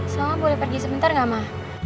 sama boleh pergi sebentar gak ma